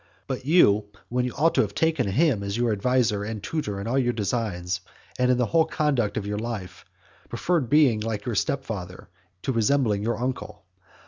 But you, when you ought to have taken him as your adviser and tutor in all your designs, and in the whole conduct of your life, preferred being like your stepfather to resembling your uncle.